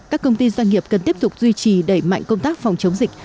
các công ty doanh nghiệp cần tiếp tục duy trì đẩy mạnh công tác phòng chống dịch